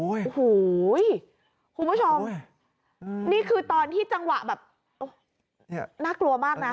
โอ้โหคุณผู้ชมนี่คือตอนที่จังหวะแบบโอ้โหน่ากลัวมากนะ